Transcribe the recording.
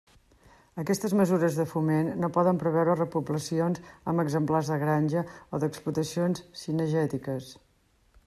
Aquestes mesures de foment no poden preveure repoblacions amb exemplars de granja o d'explotacions cinegètiques.